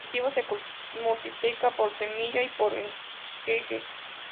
Cultivo: se multiplica por semilla y por esqueje.